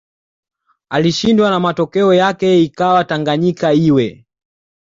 alishindwa na matokeo yake ikawa Tanganyika iwe